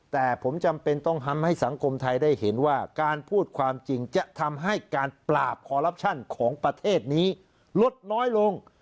แต่ผมจำเป็นต้องทำให้สังคมไทยได้เห็นว่าการพูดความจริงจะทำให้การปราบคอลลับชั่นของประเทศนี้ลดน้อยลง